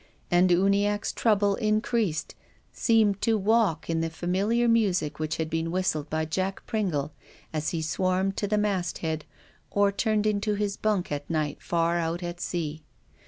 And Uniacke's trouble increased, seeming to walk in the familiar music which had been whistled by Jack Pringle as he .swarmed to the mast head, or turned into his bunk at night far out at sea.